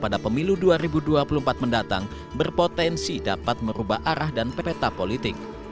pada pemilu dua ribu dua puluh empat mendatang berpotensi dapat merubah arah dan pepeta politik